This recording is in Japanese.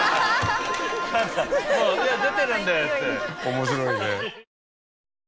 面白いね。